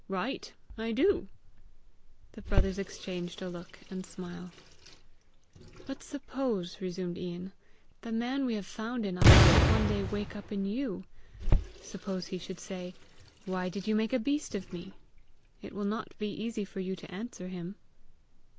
"Right! I do." The brothers exchanged a look and smile. "But suppose," resumed Ian, "the man we have found in us should one day wake up in you! Suppose he should say, 'Why did you make a beast of me?'! It will not be easy for you to answer him!"